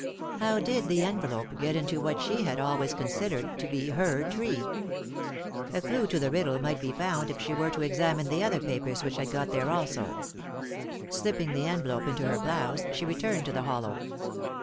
How did the envelope get into what she had always considered to be her tree ? A clue to the riddle might be found if she were to examine the other papers which 95 3i 9 iii^d by Google THE INTERRUPTED KISS had got there also. Slipping the envelope into her blouse, she returned to the hollow.